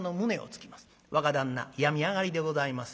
若旦那病み上がりでございます。